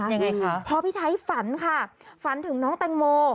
ยังไงคะพอพี่ไทยฝันค่ะฝันถึงน้องแตงโม